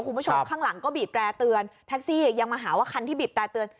คุณผู้ชมข้างหลังก็บีบแร่เตือนแท็กซี่ยังมาหาว่าคันที่บีบแต่เตือน